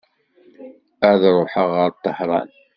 Ad ruḥeɣ ɣer Tahran.